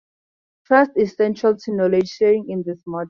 Trust is central to knowledge sharing in this model.